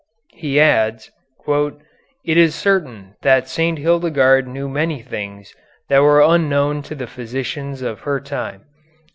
He adds, "It is certain that St. Hildegarde knew many things that were unknown to the physicians of her time."